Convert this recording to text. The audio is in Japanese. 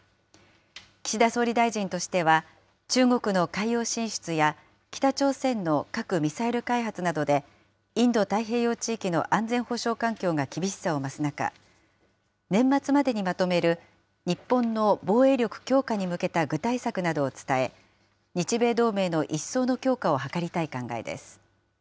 岸田総理大臣としては、中国の海洋進出や北朝鮮の核・ミサイル開発などで、インド太平洋地域の安全保障環境が厳しさを増す中、年末までにまとめる日本の防衛力強化に向けた具体策などを伝え、日米同盟の一層の強化を図りたい考えです。